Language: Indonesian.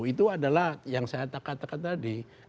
itu adalah yang saya katakan tadi